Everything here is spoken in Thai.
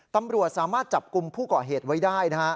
ตำรวจสามารถจับกลุ่มผู้ก่อเหตุไว้ได้นะฮะ